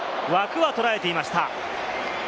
枠は捉えていました。